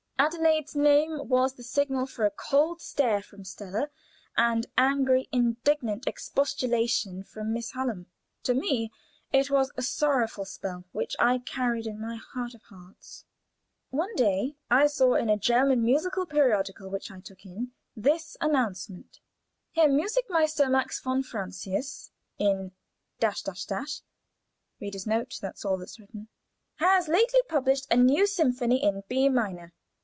Adelaide's name was the signal for a cold stare from Stella, and angry, indignant expostulation from Miss Hallam. To me it was a sorrowful spell which I carried in my heart of hearts. One day I saw in a German musical periodical which I took in, this announcement: "Herr Musik direktor Max von Francius in has lately published a new symphony in B minor.